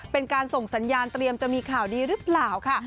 เป็นการส่งสัญญาณเตรียมจะมีข่าวดีหรือเปล่าค่ะ